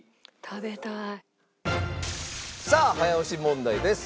さあ早押し問題です。